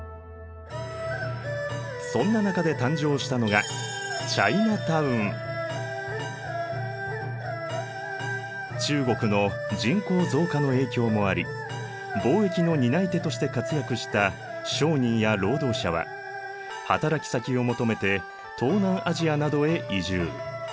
そんな中で誕生したのが中国の人口増加の影響もあり貿易の担い手として活躍した商人や労働者は働き先を求めて東南アジアなどへ移住。